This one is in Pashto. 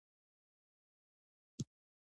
آیا موږ د انتخاب حق نلرو؟